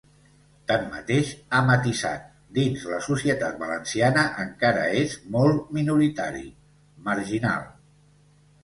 Tanmateix, ha matisat, dins la societat valenciana encara és molt minoritari, marginal.